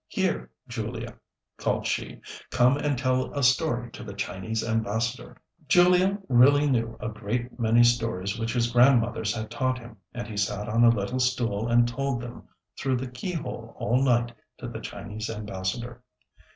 Here, Julia," called she, "come and tell a story to the Chinese Ambassador." Julia really knew a great many stories which his Grandmothers had taught him, and he sat on a little stool and told them through the keyhole all night to the Chinese Ambassador.